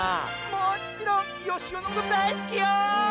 もちろんよしおのことだいすきよ！